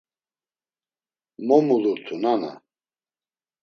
Mo mulurtu nana?